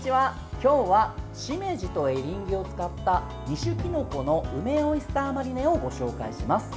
今日はしめじとエリンギを使った２種きのこの梅オイスターマリネをご紹介します。